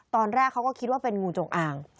ตอนแรกเขาก็คิดว่าเป็นงูจงอาง